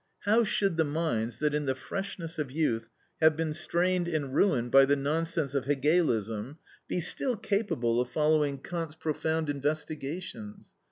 How should the minds that in the freshness of youth have been strained and ruined by the nonsense of Hegelism, be still capable of following Kant's profound investigations?